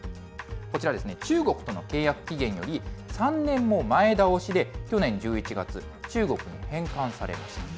こちらですね、中国との契約期限より３年も前倒しで去年１１月、中国に返還されました。